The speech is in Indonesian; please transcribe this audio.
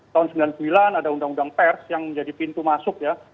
tahun sembilan puluh sembilan ada undang undang pers yang menjadi pintu masuk ya